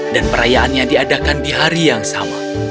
dan perayaannya diadakan di hari yang sama